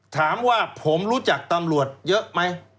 ถามว่าผมรู้จักตำรวจเยอะไหม